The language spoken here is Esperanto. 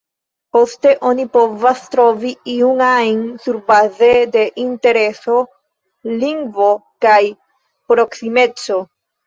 Poste, oni povas trovi iun ajn surbaze de intereso, lingvo kaj proksimeco.